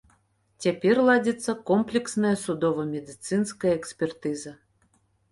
Цяпер ладзіцца комплексная судова-медыцынская экспертыза.